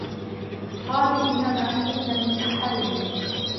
قَالُوا إِنَّمَا أَنْتَ مِنَ الْمُسَحَّرِينَ